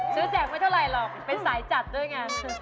แจกไม่เท่าไหร่หรอกเป็นสายจัดด้วยไง